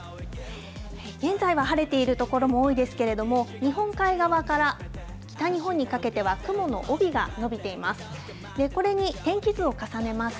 現在は晴れている所も多いですけれども、日本海側から北日本にかけては、雲の帯が延びています。